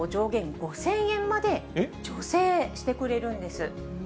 ５０００円まで助成してくれるんです。